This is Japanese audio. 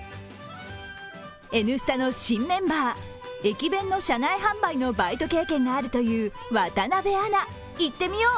「Ｎスタ」の新メンバー駅弁の車内販売のバイト経験があるという渡部アナ、いってみよう！